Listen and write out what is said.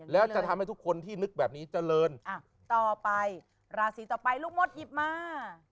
แล้วจะทำให้ทุกคนที่นึกแบบนี้เจริญต่อไปราศีต่อไปลูกมดหยิบมา